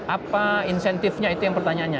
apa insentifnya itu yang pertanyaannya